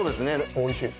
おいしい。